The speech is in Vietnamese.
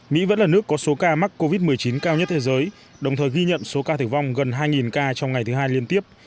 mỹ vẫn là nước có số ca mắc covid một mươi chín cao nhất thế giới đồng thời ghi nhận số ca tử vong gần hai ca trong ngày thứ hai liên tiếp